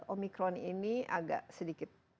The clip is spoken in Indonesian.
omikron ini agak sedikit